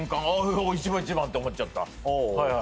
おお１番１番って思っちゃった